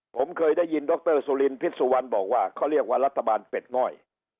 ผมเคยได้ยินดรสุลินพิษสุวรรณบอกว่าเขาเรียกว่ารัฐบาลเป็ดง่อย